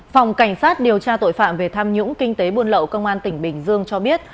phòng cảnh sát điều tra tội phạm về tham nhũng kinh tế buôn lậu công an tỉnh bình dương cho biết